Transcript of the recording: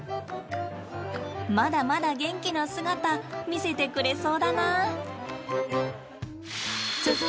まだまだ元気な姿見せてくれそうだな。